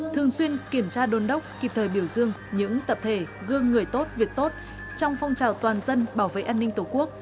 thường xuyên kiểm tra đôn đốc kịp thời biểu dương những tập thể gương người tốt việc tốt trong phong trào toàn dân bảo vệ an ninh tổ quốc